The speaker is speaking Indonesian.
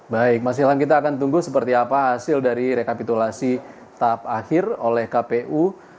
baik mas ilham kita akan tunggu seperti apa hasil dari rekapitulasi tahap akhir oleh kpu